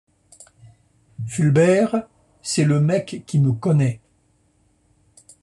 Fulbert c'est le mec qui me connaît.